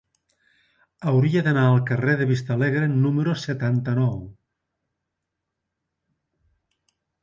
Hauria d'anar al carrer de Vistalegre número setanta-nou.